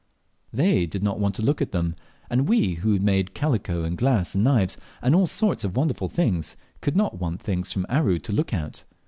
They did not want to look at them; and we, who made calico and glass and knives, and all sorts of wonderful things, could not want things from Aru to look at.